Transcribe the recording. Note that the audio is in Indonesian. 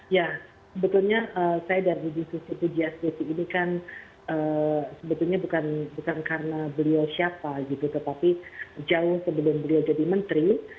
ya sebetulnya saya dari bu susi pujiastuti ini kan sebetulnya bukan karena beliau siapa gitu tetapi jauh sebelum beliau jadi menteri